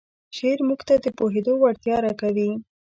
شعور موږ ته د پوهېدو وړتیا راکوي.